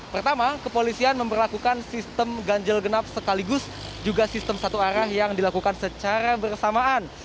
pertama kepolisian memperlakukan sistem ganjil genap sekaligus juga sistem satu arah yang dilakukan secara bersamaan